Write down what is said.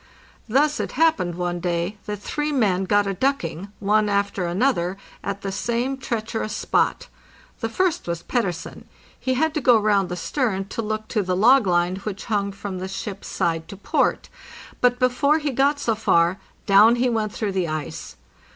Thus it happened one day that three men got a ducking, one after another, at the same treacherous spot. The first was Pettersen. He had to go round the stern to look to the log line which hung from the ship's side to port; but before he got so far, down he went through the ice.